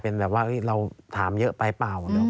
เอิ่มจะถามแค่อาการ